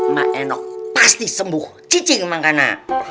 maenok pasti sembuh cicing emang kena